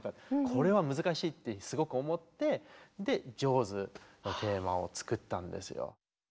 これは難しいってすごく思って「ジョーズ」のテーマを作ったんですよ。